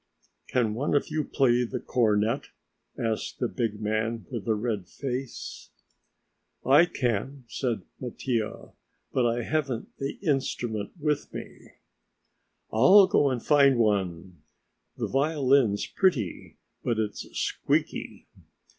"Can one of you play the cornet?" asked the big man with the red face. "I can," said Mattia, "but I haven't the instrument with me." "I'll go and find one; the violin's pretty, but it's squeaky."